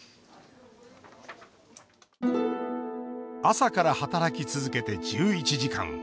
朝から働き続けて、１１時間。